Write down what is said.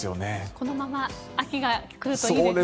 このまま秋が来るといいですね。